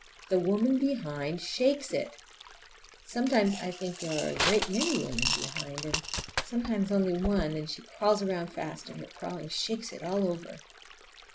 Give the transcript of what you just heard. The woman behind shakes it! Sometimes I think there are a great many women behind, and sometimes only one, and she crawls around fast, and her crawling shakes it all over.